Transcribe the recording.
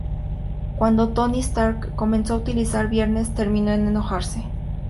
Cuando Tony Stark comenzó a utilizar Viernes, terminó en enojarse.